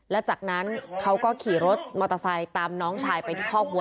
และจากนั้นเขาก็ขี่รถมอเตอร์ไซค์ตามน้องชายไปที่คอกวั